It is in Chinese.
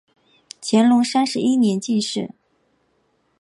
乾隆三十一年进士。